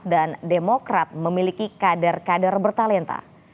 dan demokrat memiliki kader kader bertalenta